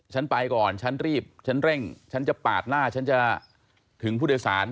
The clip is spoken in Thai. ฉันไปก่อนฉันรีบฉันเร่งฉันจะปาดหน้าฉันจะถึงผู้โดยสาร